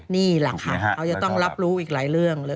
นี่แหละค่ะเขาจะต้องรับรู้อีกหลายเรื่องเลย